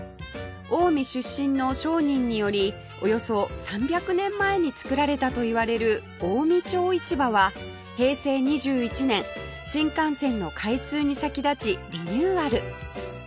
近江出身の商人によりおよそ３００年前に作られたといわれる近江町市場は平成２１年新幹線の開通に先立ちリニューアル